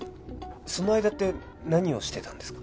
その間って何をしてたんですか？